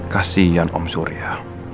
kasian om surya